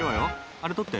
あれ捕って。